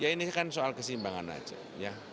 ini kan soal keseimbangan saja